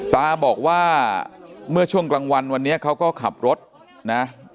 ตาบอกว่าเมื่อช่วงกลางวันวันนี้เขาก็ขับรถนะ